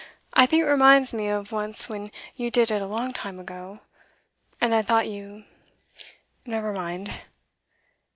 I think it reminds me of once when you did it a long time ago, and I thought you never mind.